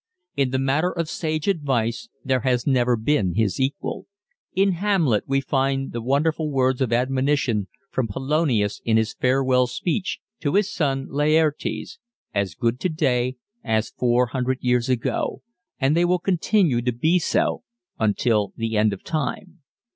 In the matter of sage advice there has never been his equal. In "Hamlet" we find the wonderful words of admonition from Polonius in his farewell speech to his son Laertes as good today as four hundred years ago, and they will continue to be so until the end of time.